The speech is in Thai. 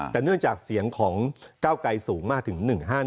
แต่เนื่องจากเสียงของก้าวไกรสูงมากถึง๑๕๑